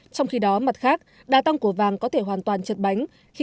trong khi đó mặt khác đa tăng của vàng có thể hoàn thành